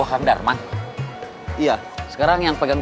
semarang semarang semarang